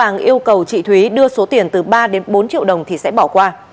nếu cầu chị thúy đưa số tiền từ ba đến bốn triệu đồng thì sẽ bỏ qua